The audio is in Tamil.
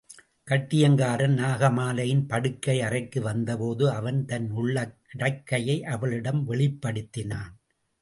கட்டியங்காரன் நாகமாலையின் படுக்கை அறைக்கு வந்தபோது அவன் தன் உள்ளக் கிடக்கையை அவளிடம் வெளிப்படுத்தினான்.